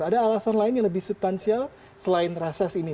ada alasan lain yang lebih subtansial selain reses ini